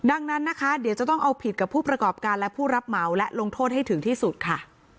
ดังนั้นนะคะเดี๋ยวจะต้องเอาผิดกับผู้ประกอบการและผู้รับเหมาและลงโทษให้ถึงที่สุดค่ะ